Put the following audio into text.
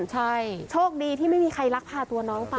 โชคดีที่ไม่มีใครรักพากับทัวร์น้องไป